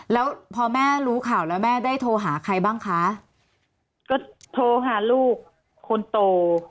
แล้วพอแม่รู้ข่าวแล้วแม่ได้โทรหาใครบ้างคะก็โทรหาลูกคนโต